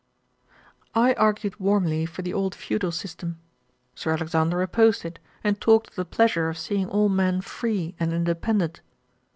I argued warmly for the old feudal system. Sir Alexander opposed it, and talked of the pleasure of seeing all men free and independent.